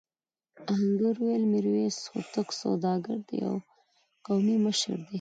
آهنګر وویل میرويس هوتک سوداګر دی او قومي مشر دی.